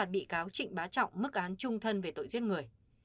bị cáo trịnh bá trọng mức án trung thân về tội giết người